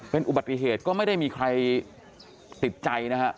เป็นอุบัติเหตุก็ไม่ได้มีใครติดใจนะฮะ